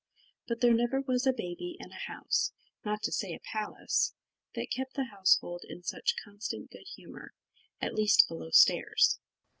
But there never was a baby in a house, not to say a palace, that kept the household in such constant good humour, at least below stairs.